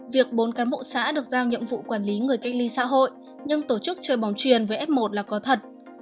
việc bốn cán bộ xã được giao nhiệm vụ quản lý người cách ly xã hội nhưng tổ chức chơi bóng truyền với f một là có thật